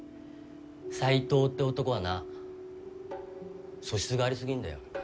斎藤って男はな素質があり過ぎんだよ。